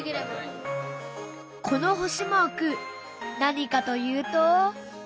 この星マーク何かというと。